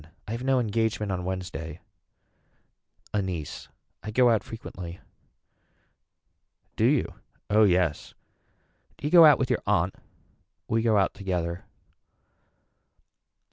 I have no engagement on Wednesday. A niece. I go out frequently. Do you. Oh yes. Do you go out with your aunt. We go out together.